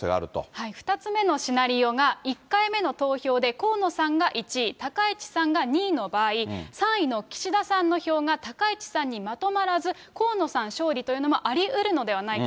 ２つ目のシナリオが、１回目の投票で河野さんが１位、高市さんが２位の場合、３位の岸田さんの票が高市さんにまとまらず、河野さん勝利というのもありうるのではないか。